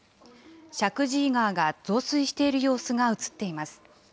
石神井川が増水している様子が写っています。